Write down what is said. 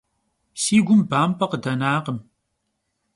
Si gum bamp'e khıdenakhım.